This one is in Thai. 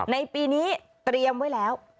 ในปีนี้เตรียมไว้แล้ว